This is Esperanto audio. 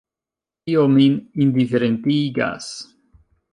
Tio min indiferentigas.